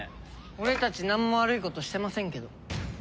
俺たちなんも悪いことしてませんけど。